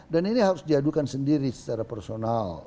dan ini harus diadukan sendiri secara personal